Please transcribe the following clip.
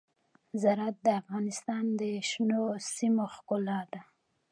زراعت د افغانستان د شنو سیمو ښکلا ده.